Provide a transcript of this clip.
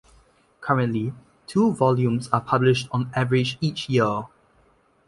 Currently, two volumes are published on average each year.